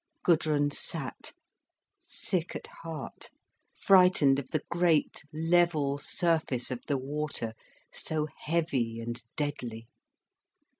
Gudrun sat, sick at heart, frightened of the great, level surface of the water, so heavy and deadly.